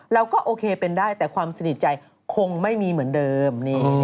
เราก็โอเคเป็นได้แต่ความสนิทใจคงไม่มีเหมือนเดิม